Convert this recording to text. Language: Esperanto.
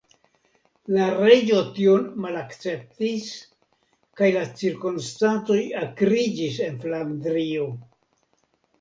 La reĝo tion malakceptis kaj la cirkonstancoj akriĝis en Flandrio.